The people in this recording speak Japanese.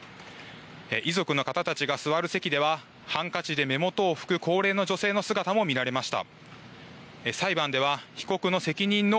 遺族の方たちが座る席では、ハンカチで目元を拭く高齢の女性の姿も見られました。